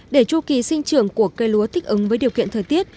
để chu kỳ sinh trưởng của cây lúa thích ứng với điều kiện thời tiết